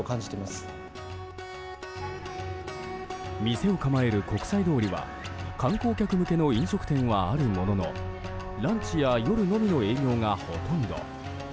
店を構える国際通りは観光客向けの飲食店はあるもののランチや夜のみの営業がほとんど。